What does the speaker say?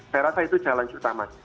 saya rasa itu jalan utama